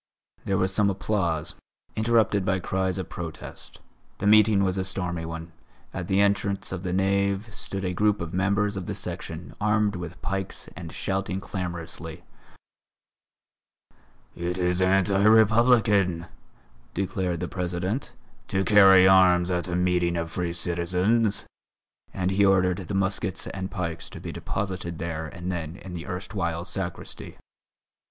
There was some applause, interrupted by cries of protest. The meeting was a stormy one; at the entrance of the nave stood a group of members of the Section, armed with pikes and shouting clamorously: "It is anti republican," declared the President, "to carry arms at a meeting of free citizens," and he ordered the muskets and pikes to be deposited there and then in the erstwhile sacristy.